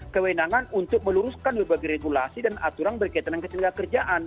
kewenangan untuk meluruskan berbagai regulasi dan aturan berkaitan dengan ketenaga kerjaan